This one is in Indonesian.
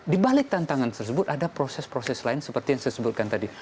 di balik tantangan tersebut ada proses proses lain seperti yang saya sebutkan tadi